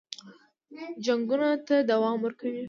جنګونو ته دوام ورکوي.